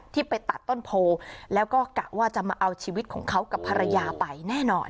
ไปตัดต้นโพแล้วก็กะว่าจะมาเอาชีวิตของเขากับภรรยาไปแน่นอน